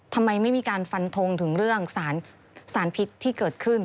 ทำไมไม่มีการฟันทงถึงเรื่องสารพิษที่เกิดขึ้น